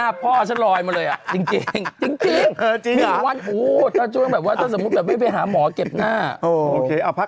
แบบว่าถ้าคุณแบบว่าตั้งไม่ไปหาหมอเก็บหน้าอ่ะโอเคเอาพัก